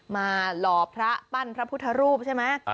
หล่อพระปั้นพระพุทธรูปใช่ไหม